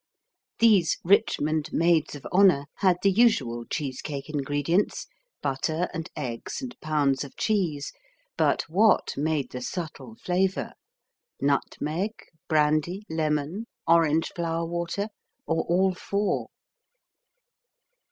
These Richmond maids of honor had the usual cheese cake ingredients: butter and eggs and pounds of cheese, but what made the subtle flavor: nutmeg, brandy, lemon, orange flower water, or all four?